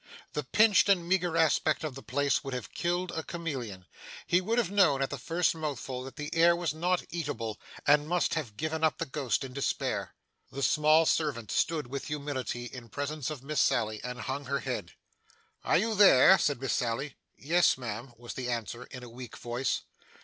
The pinched and meagre aspect of the place would have killed a chameleon. He would have known, at the first mouthful, that the air was not eatable, and must have given up the ghost in despair. The small servant stood with humility in presence of Miss Sally, and hung her head. 'Are you there?' said Miss Sally. 'Yes, ma'am,' was the answer in a weak voice.